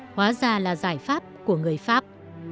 hóa ra là giải pháp của người pháp